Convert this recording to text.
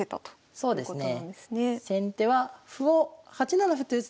はいそうですね。